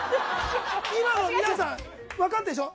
今の皆さん、分かるでしょ？